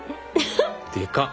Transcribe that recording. でかっ。